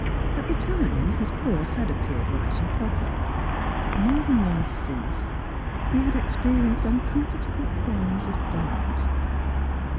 At the time his course had appeared right and proper; but more than once since he had experienced uncomfortable qualms of doubt.